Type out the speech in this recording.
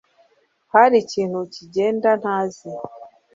Hari ikintu kigenda ntazi